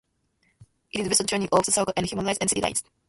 It is the western terminus of the Circle and Hammersmith and City lines.